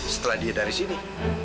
setelah dia dari sini